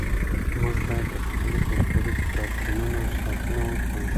موږ باید د خپلو کلتوري کتابتونونو ساتنه وکړو.